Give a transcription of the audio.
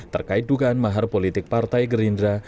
terkait dugaan mahar politik partai gerindra